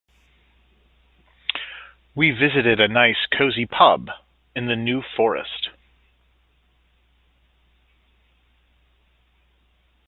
We visited a nice cosy pub in the New Forest.